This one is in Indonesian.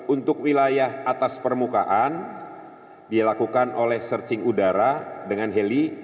untuk wilayah atas permukaan dilakukan oleh searching udara dengan heli